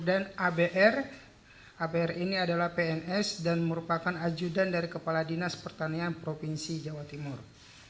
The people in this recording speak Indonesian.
dan abr abr ini adalah pns dan merupakan ajudan dari kepala dinas pertanian provinsi jawa timur